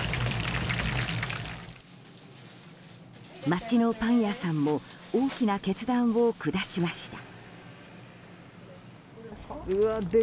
街のパン屋さんも大きな決断を下しました。